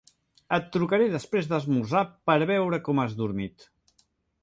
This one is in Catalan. Et trucaré després d'esmorzar per veure com has dormit.